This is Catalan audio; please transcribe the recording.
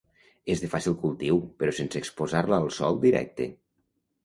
És de fàcil cultiu però sense exposar-la al sol directe.